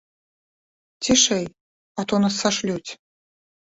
Цішэй, а то нас сашлюць!